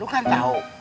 lo kan tau